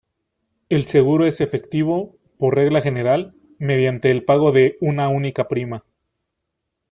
El seguro es efectivo, por regla general, mediante el pago de una única prima.